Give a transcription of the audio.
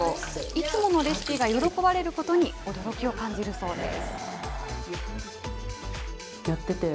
いつものレシピが喜ばれることに、驚きを感じるそうです。